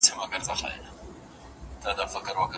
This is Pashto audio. آیا فلش ډرایو تر سي ډي زیات ځای لري؟